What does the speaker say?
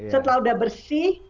setelah sudah bersih